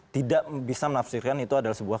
tidak bisa menafsirkan itu adalah sebuah